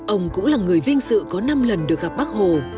ông cũng là người vinh dự có năm lần được gặp bác hồ